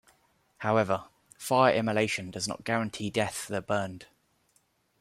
However, fire immolation does not guarantee death for the burned.